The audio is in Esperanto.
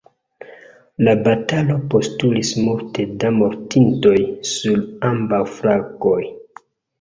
La batalo postulis multe da mortintoj sur ambaŭ flankoj.